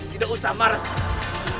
tidak usah marah sekarang